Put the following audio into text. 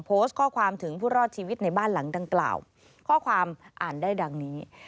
โพสต์ข้อความถึงผู้รอดชีวิตในบ้านหลังดังกล่าวข้อความอ่านได้ดังนี้